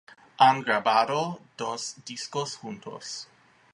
Han grabado dos discos juntos.